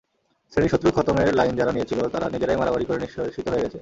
শ্রেণিশত্রু খতমের লাইন যারা নিয়েছিল, তারা নিজেরাই মারামারি করে নিঃশেষিত হয়ে গেছে।